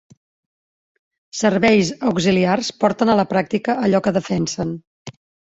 Serveis Auxiliars porten a la pràctica allò que defensen.